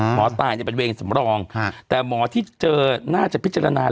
หมอตายเนี่ยเป็นเวรสำรองแต่หะแต่หมอที่เจอน่าจะพิจารณาแล้ว